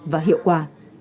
và hiệu quả